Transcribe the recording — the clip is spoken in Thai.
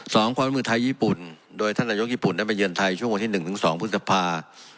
สองความรู้มือไทยญี่ปุ่นโดยท่านระยุกต์ญี่ปุ่นได้ไปเยือนไทยช่วงวันที่๑๒พฤษภาพ